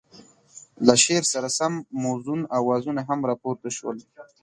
له شعر سره سم موزون اوازونه هم را پورته شول.